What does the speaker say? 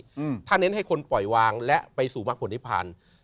อืมท่านเน้นให้คนปล่อยวางและไปสู่มหัวผลิพล